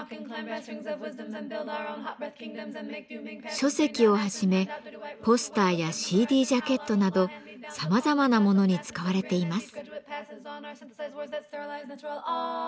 書籍をはじめポスターやＣＤジャケットなどさまざまなものに使われています。